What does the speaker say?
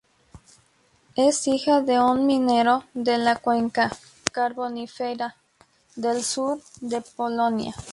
Es hija de un minero de la cuenca carbonífera del sur de Polonia.